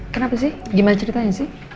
kenapa sih gimana ceritanya sih